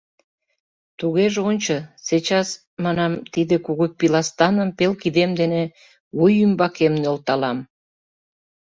Тугеже ончо, сейчас, — манам, — тиде кугу пиластаным пел кидем дене вуй ӱмбакем нӧлталам!